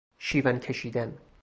شیون کشیدن